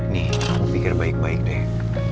nih aku pikir baik baik deh